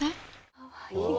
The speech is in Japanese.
かわいい。